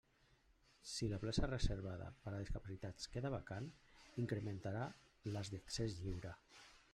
Si la plaça reservada per a discapacitats quedara vacant, incrementarà les d'accés lliure.